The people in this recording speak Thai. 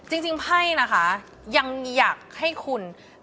อื้อจริงไพ่นะคะยังอยากให้คุณ